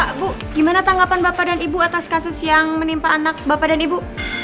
ibu gimana tanggapan bapak dan ibu atas kasus yang menimpa anak bapak dan ibu